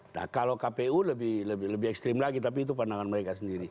nah kalau kpu lebih ekstrim lagi tapi itu pandangan mereka sendiri